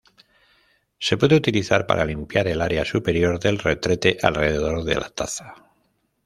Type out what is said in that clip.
Se puede utilizar para limpiar el área superior del retrete, alrededor de la taza.